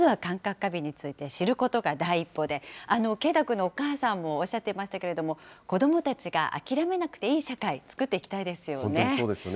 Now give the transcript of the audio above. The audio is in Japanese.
過敏について知ることが第一歩で、啓太くんのお母さんもおっしゃっていましたけれども、子どもたちが諦めなくていい社会、作っていきたいですよね。